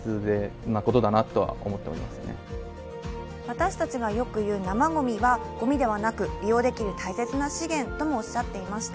私たちがよく言う生ごみはごみではなく、利用できる大切な資源ともおっしゃっていました。